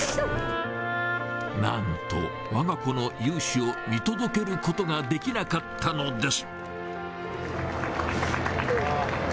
なんとわが子の雄姿を見届けることができなかったのです。